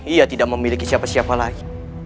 ia tidak memiliki siapa siapa lagi